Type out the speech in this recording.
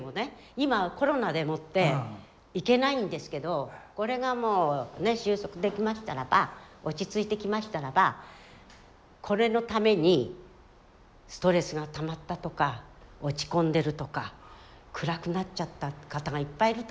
今コロナでもって行けないんですけどこれがもうね収束できましたらば落ち着いてきましたらばこれのためにストレスがたまったとか落ち込んでるとか暗くなっちゃった方がいっぱいいると思うんですよね。